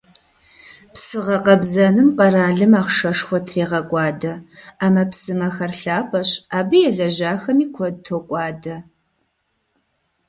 Псы гъэкъэбзэным къэралым ахъшэшхуэ трегъэкӀуадэ: Ӏэмэпсымэхэр лъапӀэщ, абы елэжьахэми куэд токӀуадэ.